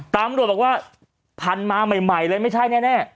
ตำรวจบอกว่าพันมาใหม่เลยไม่ใช่แน่